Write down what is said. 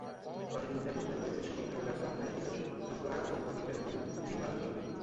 অনেক সুবিধার মধ্যে রয়েছে সহজ প্রোগ্রাম বা ফাইল নির্বাচন, দ্রুত আরম্ভ এবং ইন্টারেক্টিভ ডিবাগিং।